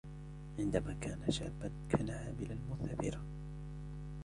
عندما كان شاباً ، كان عاملاً مثابراً.